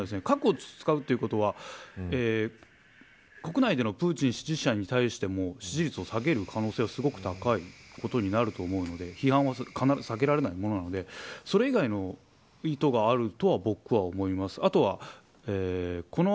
核を使うということは国内でのプーチン支持者に対しても支持率を下げる可能性はすごく高いことになると思うので批判は避けられないものなのでそれ以外の意図があるとは僕は思います。